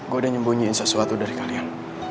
gue udah nyembunyiin sesuatu dari kalian